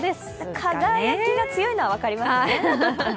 輝きが強いのは分かりますよね。